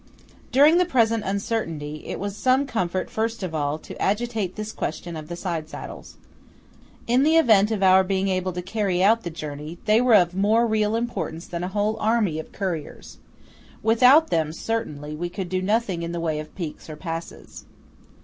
During the present uncertainty, it was some comfort first of all to agitate this question of the side saddles. In the event of our being able to carry out the journey, they were of more real importance than a whole army of couriers. Without them, certainly, we could do nothing in the way of peaks or passes.